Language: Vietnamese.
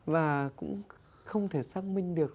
và cũng không thể xác minh được